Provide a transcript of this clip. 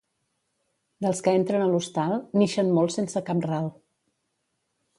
Dels que entren a l'hostal, n'ixen molts sense cap ral.